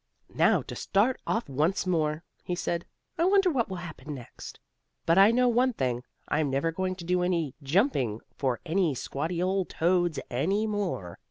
"Now to start off once more," he said. "I wonder what will happen next? But I know one thing, I'm never going to do any jumping for any squatty old toads any more."